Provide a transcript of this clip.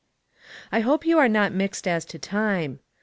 I hope you are not mixed as to time.